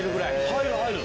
入る入る。